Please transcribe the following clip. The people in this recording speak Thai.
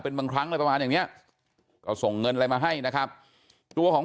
เป็นบางครั้งอะไรประมาณอย่างเนี้ยก็ส่งเงินอะไรมาให้นะครับตัวของ